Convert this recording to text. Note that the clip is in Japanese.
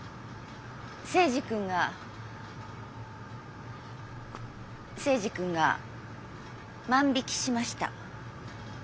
征二君が征二君が万引きしました。